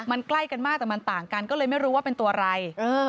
มันใกล้กันมากแต่มันต่างกันก็เลยไม่รู้ว่าเป็นตัวอะไร